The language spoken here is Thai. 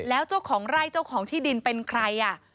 แล้วเจ้าของไร่เจ้าของที่ดินเป็นใคร